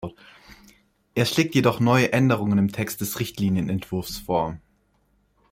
Er schlägt jedoch neue Änderungen im Text des Richtlinienentwurfs vor.